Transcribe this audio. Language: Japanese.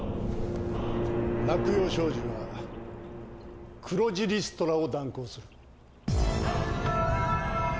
落葉商事は黒字リストラを断行する。